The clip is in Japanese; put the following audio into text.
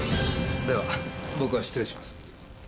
では僕は失礼します。